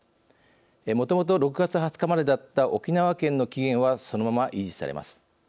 もともと６月２０日までだった沖縄県の期限はそのまま維持されます。